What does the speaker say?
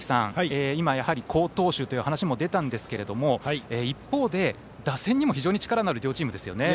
やはり好投手というお話も出たんですけれども一方で打線にも非常に力のある両チームですよね。